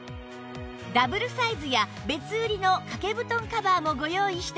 ダブルサイズや別売りの掛け布団カバーもご用意しております